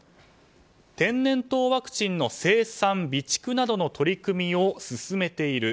天然痘ワクチンの生産・備蓄などの取り組みを進めている。